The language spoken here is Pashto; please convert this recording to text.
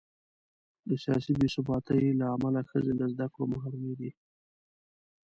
له سیاسي بې ثباتۍ امله ښځې له زده کړو محرومې دي.